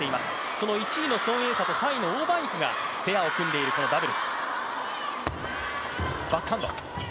その１位の孫エイ莎と３位の王曼イクがペアを組んでいるこのダブルス。